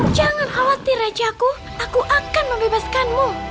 jangan khawatir rajaku aku akan membebaskanmu